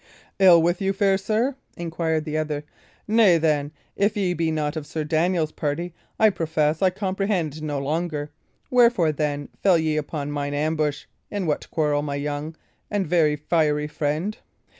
"Ill with you, fair sir?" inquired the other. "Nay, then, if ye be not of Sir Daniel's party, I profess I comprehend no longer. Wherefore, then, fell ye upon mine ambush? in what quarrel, my young and very fiery friend?